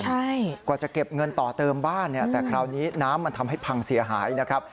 ใช่กว่าจะเก็บเงินต่อเติมบ้านเนี่ยแต่คราวนี้น้ำมันทำให้พังเสียหายนะครับ